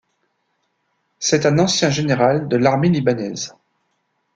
C'est un ancien général de l'armée libanaise.